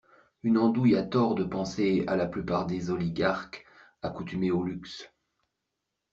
Une andouille a tort de penser à la plupart des oligarques accoutumés au luxe.